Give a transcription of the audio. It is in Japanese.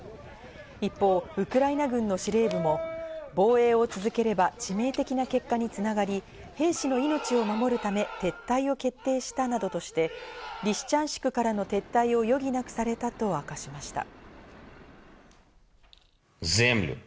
一方、ウクライナ軍の司令部も防衛を続ければ致命的な結果に繋がり、兵士の命を守るため、撤退を決定したなどとしてリシチャンシクからの撤退を余儀なくされたと明かしました。